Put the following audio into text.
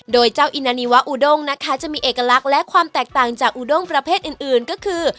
โดยเจ้าอินนานีวะอุดงนะคะจะมีเอกลักษณ์และความแตกต่างจากอุดงประเภทอื่นก็คือ